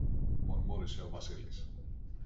μουρμούρισε ο Βασίλης